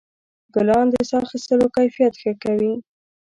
ګلان د ساه اخیستلو کیفیت ښه کوي.